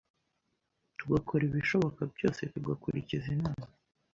tugakora ibishoboka byose tugakurikiza inama